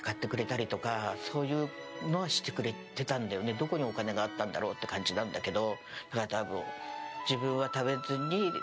どこにお金があったんだろうって感じなんだけど。